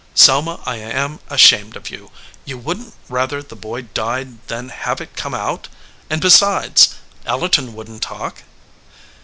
"Selma, I am ashamed of you. You wouldn t rather the boy died than have it come out? And, besides, Ellerton wouldn t talk."